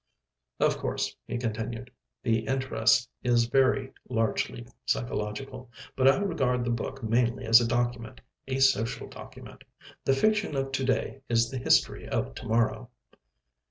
"Of course," he continued, "the interest is very largely psychological, but I regard the book mainly as a document a social document. The fiction of to day is the history of to morrow."